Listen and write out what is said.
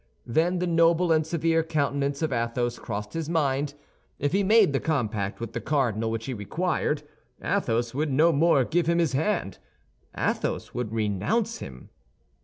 Then the noble and severe countenance of Athos crossed his mind; if he made the compact with the cardinal which he required, Athos would no more give him his hand—Athos would renounce him.